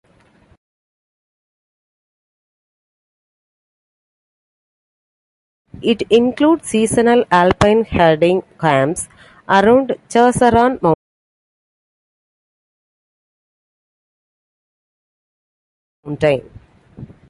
It includes seasonal alpine herding camps around Chasseron mountain.